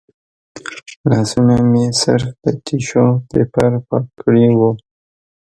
لاسونه مې صرف په ټیشو پیپر پاک کړي و.